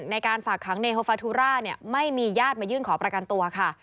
ในการฝากขังเนโฮฟาทุราเนี่ยไม่มีญาติมายื่นขอประกันตัวค่ะ